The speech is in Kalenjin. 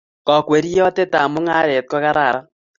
Kagweriote tab mungaret ko kararan